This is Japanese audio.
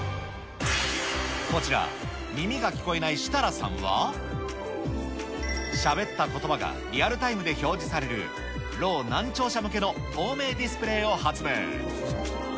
こちら、耳が聞こえない設楽さんは、しゃべったことばがリアルタイムで表示されるろう・難聴者向けの透明ディスプレーを発明。